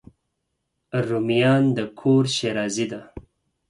رومیان د کور ښېرازي ده